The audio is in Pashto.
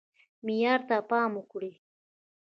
معیار ته پام وکړئ